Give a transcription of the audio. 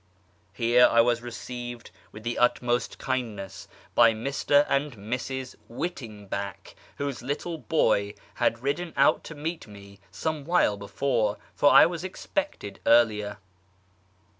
Here I was received with the utmost FROM ISFAHAN TO SH/rAZ 245 kindness by Mr. and Mrs. Whittingback, whose little boy had ridden out to meet me some while before, for I was expected earlier.